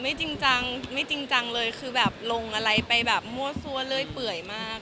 ไม่จริงจังค่ะไม่จริงจังเลยคือแบบลงอะไรไปมั่วเซวเร่ยเปื่อยมาก